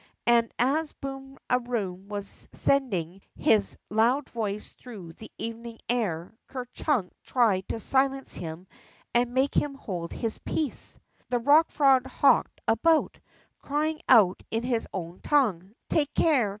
And, as Boom a Room was sending his loud voice through the evening air, Ker Chunk tried to silence him and make him hold his peace. The Rock Prog hopped about, crying out in his own tongue: Take care!